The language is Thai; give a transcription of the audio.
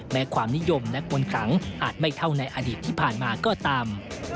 ความนิยมและควรขังอาจไม่เท่าในอดีตที่ผ่านมาก็ตาม